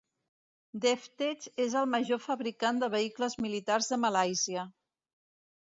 DefTech és el major fabricant de vehicles militars de Malàisia.